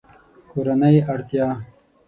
کورنۍ اړتیا